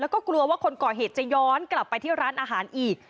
แล้วก็กลัวว่าคนก่อเหตุจะย้อนกลับไปที่ร้านอาหารอีก